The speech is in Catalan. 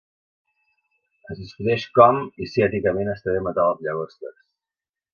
Es discuteix com i si èticament està bé matar les llagostes.